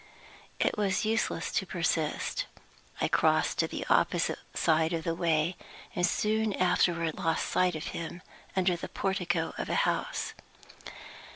It was useless to persist. I crossed to the opposite side of the way, and soon afterward lost sight of him under the portico of a house.